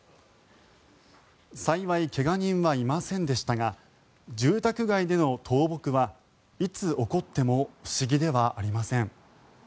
幸い、怪我人はいませんでしたが住宅街での倒木はいつ起こっても不思議ではありません。